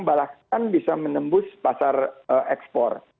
bahkan bisa menembus pasar ekspor